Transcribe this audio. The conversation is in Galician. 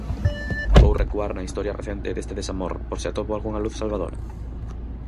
Vou recuar na historia recente deste desamor por se atopo algunha luz salvadora.